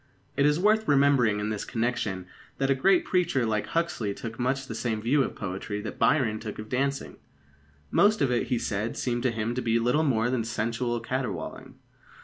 It is worth remembering in this connection that a great preacher like Huxley took much the same view of poetry that Byron took of dancing. Most of it, he said, seemed to him to be little more than sensual caterwauling.